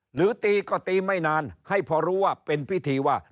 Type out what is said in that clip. หรือตีก็ตีไม่นานให้พอรู้ว่าเป็นพิธีว่า